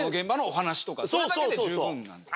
それだけで十分なんですよ。